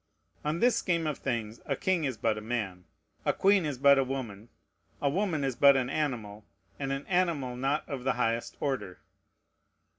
On this scheme of things, a king is but a man, a queen is but a woman, a woman is but an animal, and an animal not of the highest order.